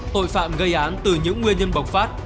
tội phạm gây án từ những nguyên nhân bộc phát